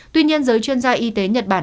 tuy nhiên giới chuyên gia y tế nhật bản